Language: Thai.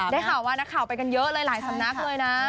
ได้ข่าวว่านักข่าวไปกันเยอะเลยหลายสำนักเลยนะ